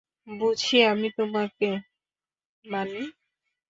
বুঝি আমি তোমাকে, বানি।